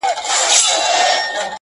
باز دي کم شهباز دي کم خدنګ دی کم!.